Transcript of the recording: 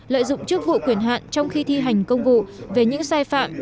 lợi dụng chức vụ quyền hạn trong khi thi hành công vụ về những sai phạm